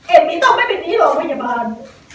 เอมมี่ต้องไม่เป็นที่โรคพยาบาล